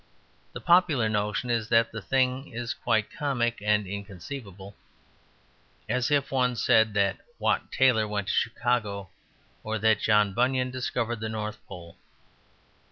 The popular notion is that the thing is quite comic and inconceivable; as if one said that Wat Tyler went to Chicago, or that John Bunyan discovered the North Pole.